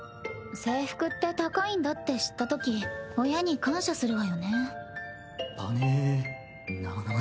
制服って高いんだって知ったとき親に感謝するわよね。